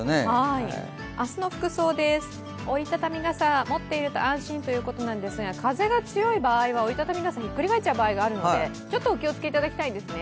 明日の服装です、折り畳み傘、持っていると安心ということなんですが、風が強い場合は折り畳み傘、ひっくり返っちゃう場合があるので、ちょっとお気を付けいただきたいですね。